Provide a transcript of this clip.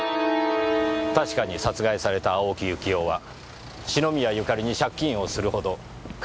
確かに殺害された青木由紀男は篠宮ゆかりに借金をするほど金に窮していました。